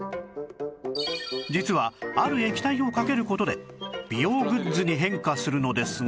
実はある液体をかける事で美容グッズに変化するのですが